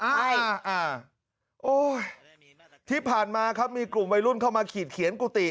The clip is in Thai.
โอ้ยที่ผ่านมาครับมีกลุ่มวัยรุ่นเข้ามาขีดเขียนกุฏิ